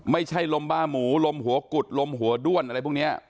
ไม่ใช่ลมบ้าหมูลมหัวกุดลมหัวด้วนอะไรพวกนี้